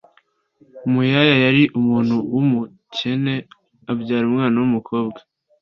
Muyaya yari umuntu w’umukene, abyara umwana w’umukobwa